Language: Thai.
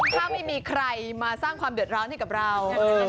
ถ้าไม่มีใครมาสร้างความเดือดร้อนให้กับเรา